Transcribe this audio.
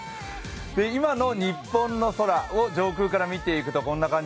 今の日本の空を上空から見ていくとこんな感じ。